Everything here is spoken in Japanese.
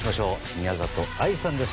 宮里藍さんです。